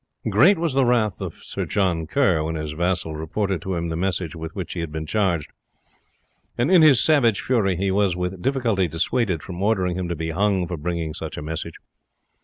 Great was the wrath of Sir John Kerr when his vassal reported to him the message with which he had been charged, and in his savage fury he was with difficulty dissuaded from ordering him to be hung for bringing such a message.